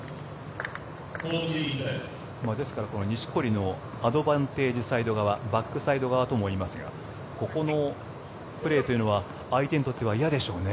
ですから錦織のアドバンテージサイド側バックサイド側ともいいますがここのプレーというのは相手にとっては嫌でしょうね。